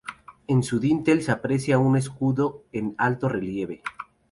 En su dintel se aprecia un escudo en alto relieve.